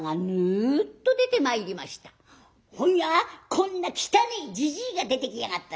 「ほんにゃこんな汚えじじいが出てきやがったぜ。